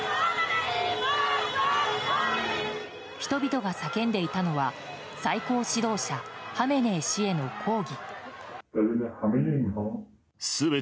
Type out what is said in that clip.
人々が叫んでいたのは最高指導者ハメネイ師への抗議。